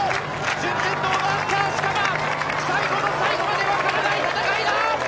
順天堂大学のアンカー、四釜最後の最後までわからない戦いだ！